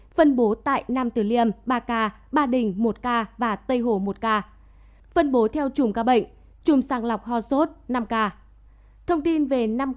phân bố tại nam tử liêm ba ca ba đình một ca và tây hồ một ca